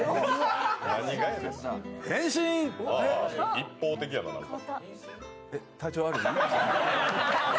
一方的やな、なんか。